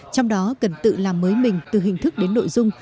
trong đó cần tự làm mới mình từ hình thức đến nội dung